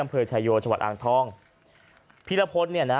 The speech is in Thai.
อำเภอชายโยชน์ชาวัดอังทองฟีรพลเนี่ยนะ